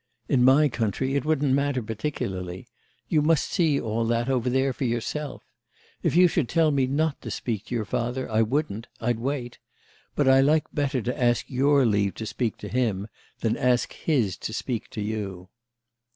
In my country it wouldn't matter particularly. You must see all that over there for yourself. If you should tell me not to speak to your father I wouldn't—I'd wait. But I like better to ask your leave to speak to him than ask his to speak to you."